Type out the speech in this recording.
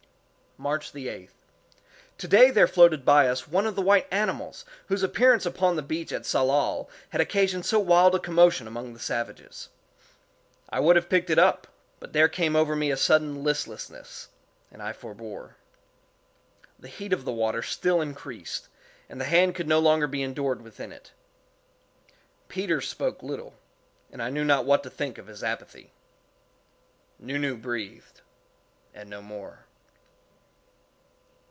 March 8th. To day there floated by us one of the white animals whose appearance upon the beach at Tsalal had occasioned so wild a commotion among the savages. I would have picked it up, but there came over me a sudden listlessness, and I forbore. The heat of the water still increased, and the hand could no longer be endured within it. Peters spoke little, and I knew not what to think of his apathy. Nu Nu breathed, and no more.